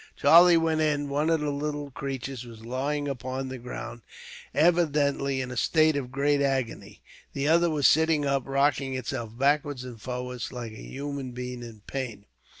Charlie went in. One of the little creatures was lying upon the ground, evidently in a state of great agony. The other was sitting up, rocking itself backwards and forwards, like a human being in pain.